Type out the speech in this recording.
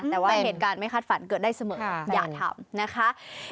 แต่ว่าเหตุการณ์ไม่คาดฝันเกิดได้เสมออย่าทำนะคะ